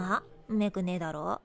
んめくねえだろ？